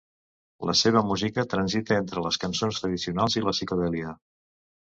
La seva música transita entre les cançons tradicionals i la psicodèlia.